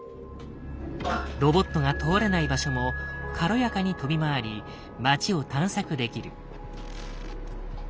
ロボットが通れない場所も軽やかに飛び回り街を探索できる。